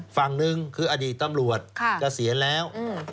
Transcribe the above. ฝั่งหนึ่งคืออดีตตำรวจเกษียณแล้ว